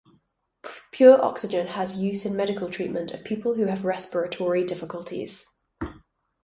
Pure oxygen has use in medical treatment of people who have respiratory difficulties.